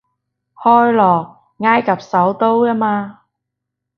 開羅，埃及首都吖嘛